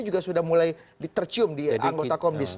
juga sudah mulai ditercium di anggota komdis